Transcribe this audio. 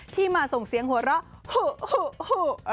ที่มาส่งเสียงหัวเราะหุ